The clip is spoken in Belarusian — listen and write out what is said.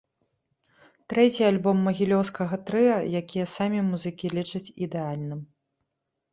Трэці альбом магілёўскага трыа, які самі музыкі лічаць ідэальным.